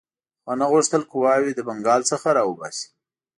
هغه نه غوښتل قواوې له بنګال څخه را وباسي.